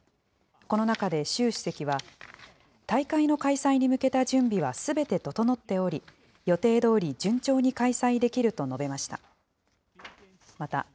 この中で習主席は、大会の開催に向けた準備はすべて整っており、予定どおり順調に開催できると述べました。